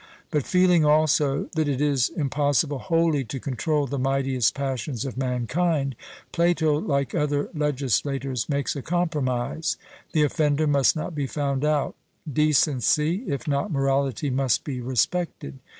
But feeling also that it is impossible wholly to control the mightiest passions of mankind,' Plato, like other legislators, makes a compromise. The offender must not be found out; decency, if not morality, must be respected.